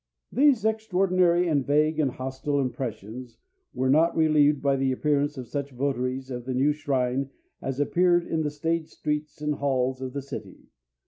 These extraordinary and vague and hostile impressions were not relieved by the appearance of such votaries of the new shrine as appeared in the staid streets and halls of the city.